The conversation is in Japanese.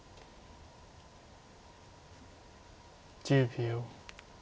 １０秒。